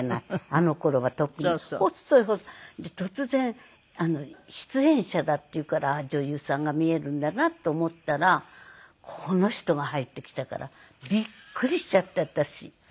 で突然出演者だっていうから女優さんが見えるんだなと思ったらこの人が入ってきたからびっくりしちゃって私。